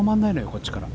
こっちから。